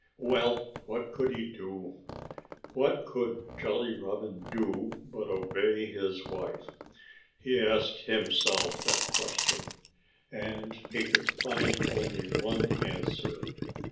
Well, what could he do? What could Jolly Robin do but obey his wife? He asked himself that question. And he could find only one answer.